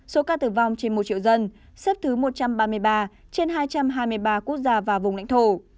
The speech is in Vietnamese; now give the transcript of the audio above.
số ca tử vong trên một triệu dân xếp thứ một trăm ba mươi ba trên hai trăm hai mươi ba quốc gia và vùng lãnh thổ